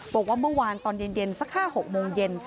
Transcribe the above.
บอกว่าเมื่อวานตอนเย็นสัก๕๖โมงเย็น